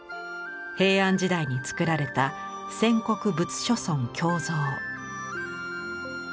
平安時代に作られた「線刻仏諸尊鏡像」。